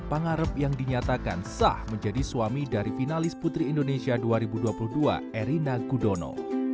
pangarep yang dinyatakan sah menjadi suami dari finalis putri indonesia dua ribu dua puluh dua erina gudono